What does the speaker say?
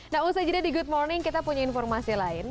nah usai jeda di good morning kita punya informasi lain